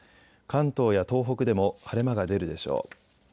関東や東北でも晴れ間が出るでしょう。